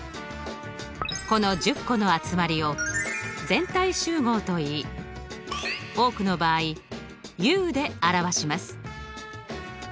この１０個の集まりを全体集合といい多くの場合Ｕで表します。